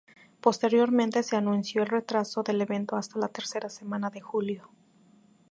Posteriormente se anunció el retraso del evento hasta la tercera semana de julio.